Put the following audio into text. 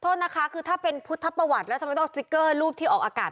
โทษนะคะคือถ้าเป็นพุทธประวัติแล้วทำไมต้องเอาสติ๊กเกอร์รูปที่ออกอากาศ